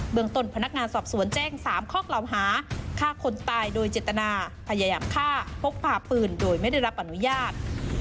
เมืองต้นพนักงานสอบสวนแจ้ง๓ข้อกล่าวหาฆ่าคนตายโดยเจตนาพยายามฆ่าพกพาปืนโดยไม่ได้รับอนุญาต